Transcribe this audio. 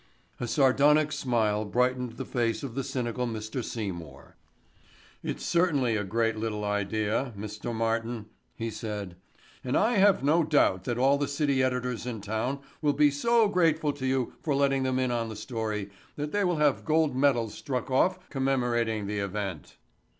A sardonic smile brightened the face of the cynical Mr. Seymour. "It's certainly a great little idea, Mr. Martin," he said, "and I have no doubt that all the city editors in town will be so grateful to you for letting them in on the story that they will have gold medals struck off commemorating the event."